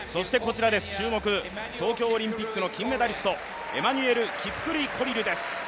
そして注目、東京オリンピックの金メダリストエマニュエル・キプクルイ・コリルです。